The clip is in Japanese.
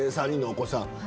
３人のお子さん。